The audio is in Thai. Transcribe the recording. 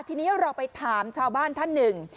ทีนี้เราไปถามชาวบ้านท่านหนึ่ง